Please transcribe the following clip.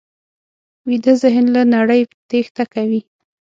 ویده ذهن له نړۍ تېښته کوي